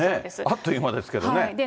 あっという間ですけどね。